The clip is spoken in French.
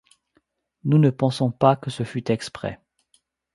Nous ne pensons pas que ce fût exprès.